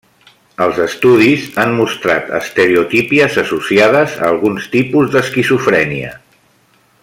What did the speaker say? Els estudis han mostrat estereotípies associades a alguns tipus d'esquizofrènia.